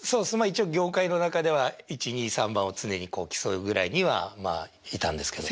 一応業界の中では１２３番を常に競うぐらいにはまあいたんですけど。